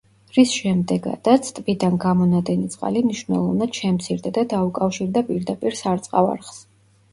რის შემდეგადაც ტბიდან გამონადენი წყალი მნიშვნელოვნად შემცირდა და დაუკავშირდა პირდაპირ სარწყავ არხს.